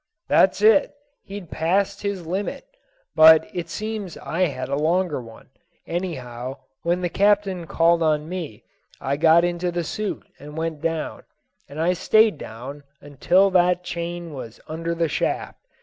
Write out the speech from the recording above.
"That's it; he'd passed his limit. But it seems I had a longer one. Anyhow, when the captain called on me, I got into the suit and went down, and I stayed down until that chain was under the shaft.